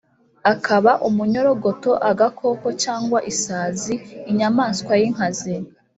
akaba umunyorogoto, agakoko cyangwa isazi, inyamaswa y’inkazi